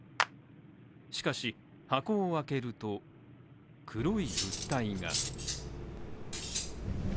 しかし、箱を開けると、黒い物体が。